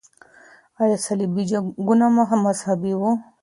آیا صلیبي جنګونه مذهبي وو؟